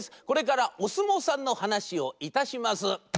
これからおすもうさんのはなしをいたします。